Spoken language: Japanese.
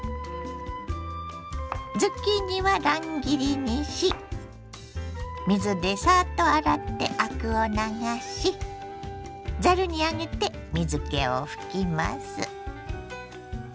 ズッキーニは乱切りにし水でサッと洗ってアクを流しざるに上げて水けを拭きます。